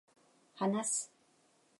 話す、